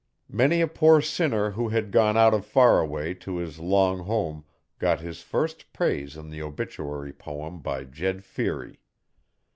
Many a poor sinner who had gone out of Faraway to his long home got his first praise in the obituary poem by Jed Feary.